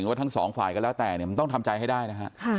ว่าทั้งสองฝ่ายก็แล้วแต่เนี่ยมันต้องทำใจให้ได้นะฮะ